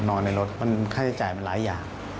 นอนในรถค่าใช้จ่ายมันหลายอย่าง